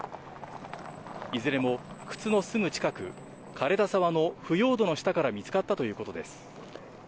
いずれも靴のすぐ近く、枯れた沢の腐葉土の下から見つかったということです。